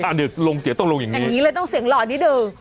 เนี่ยลงเสียต้องลงอย่างนั้นอย่างนี้เลยต้องเสียงหล่อนิดนึง